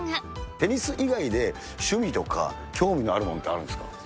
テニス以外で趣味とか興味のあるものってあるんですか？